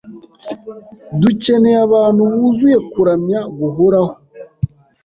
Dukeneye abantu buzuye kuramya guhoraho,